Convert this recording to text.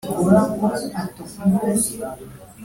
urwo rubyiruko rwavukiyemo umuryango.